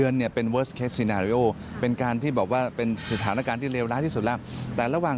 นอกจากนี้นะครับคุณกัณฑีบอกว่า